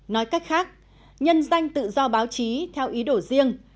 nói cách khác nhân danh tự do báo chí theo ý đồ riêng